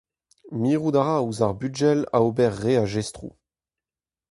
Mirout a ra ouzh ar bugel a ober re a jestroù.